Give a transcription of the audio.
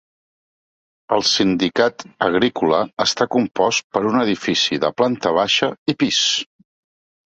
El sindicat agrícola està compost per un edifici de planta baixa i pis.